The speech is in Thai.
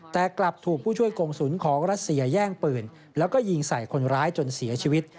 แต่กลับถูกผู้ช่วยกงศุลของรัสเซียแย่งปืนแล้วก็ยิงใส่คนร้ายจนเสียชีวิต